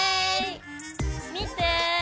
見て！